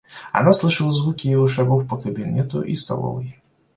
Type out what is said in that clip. Она слышала звуки его шагов по кабинету и столовой.